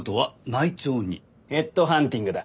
ヘッドハンティングだ。